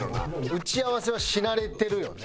打ち合わせはし慣れてるよね。